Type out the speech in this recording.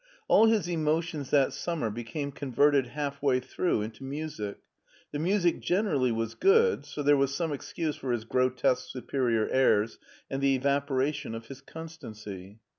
All his emotions that summer became converted half way through into music ; the music generally was good, so there was some excuse for his grotesque superior airs, and the evaporation of his constancy.